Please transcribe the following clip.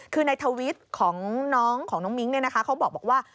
คือในทวิตของน้องของน้องมิ้งเนี่ยนะคะเขาบอกว่า